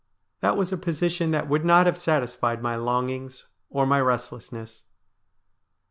That was a position that would not have satisfied my longings or my rest lessness.